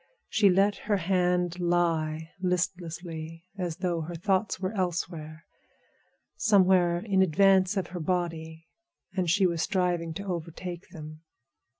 She let her hand lie listlessly, as though her thoughts were elsewhere—somewhere in advance of her body, and she was striving to overtake them.